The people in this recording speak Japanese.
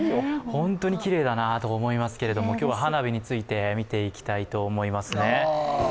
本当にきれいだなと思いますけれども、今日は花火について見ていきたいと思いますね。